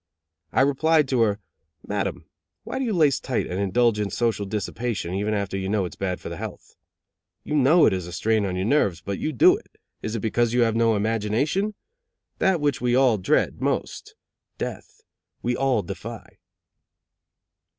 I replied to her: "Madam, why do you lace tight and indulge in social dissipation even after you know it is bad for the health? You know it is a strain on your nerves, but you do it. Is it because you have no imagination? That which we all dread most death we all defy."